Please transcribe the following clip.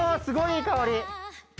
すごいいい香り。